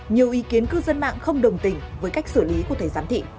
nhiều ý kiến cư dân mạng không đồng tình với cách xử lý của thầy giám thị